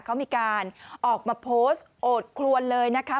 เขามีการออกมาโพสต์โอดคลวนเลยนะคะ